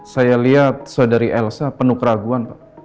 saya lihat saudari elsa penuh keraguan pak